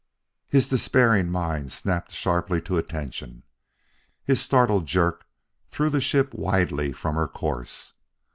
His despairing mind snapped sharply to attention. His startled jerk threw the ship widely from her course.